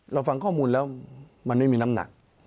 เราฟังข้อมูลแล้วมันไม่มีน้ำหนัก